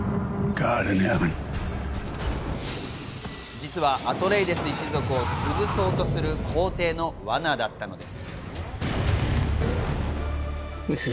実はアトレイデス一族を潰そうとする皇帝の罠だったのです。